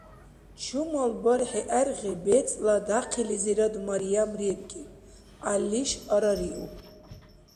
Чумал бархӀи гӀергъи бецӀла дяхъилизирад Марьям ребкӀиб, ГӀяллиш арариуб.